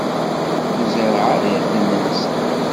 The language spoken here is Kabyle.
Ur zerreɛ ara irden-nsen.